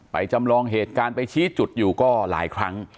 จำลองเหตุการณ์ไปชี้จุดอยู่ก็หลายครั้ง